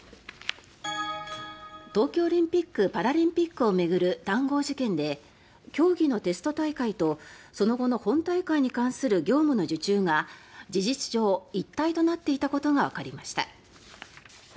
東京オリンピック・パラリンピックを巡る談合事件で競技のテスト大会とその後の本大会に関する業務の受注が事実上、一体となっていたことがわかりました。